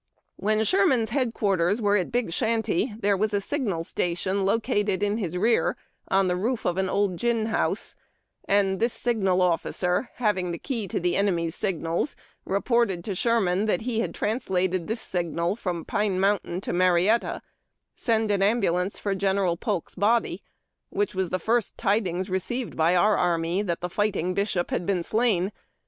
When Sherman's headquarters were at Big Shanty, there was a signal station located in his rear, on the roof of an old gin house, and this signal officer, having the "key" to the enemy's signals, reported to Sherman that he had translated this signal from Pine Mountain to Marietta, —" Send an ambulance for General Polk's body," — whicli was the first tidings received by our army that the fighting bishop had been slain.